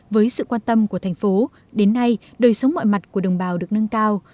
với sự quan tâm của thành phố đến nay đời sống mọi mặt của đồng bào được nâng cao